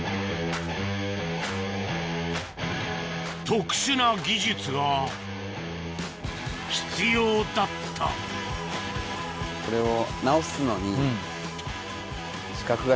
特殊な技術が必要だったこれを。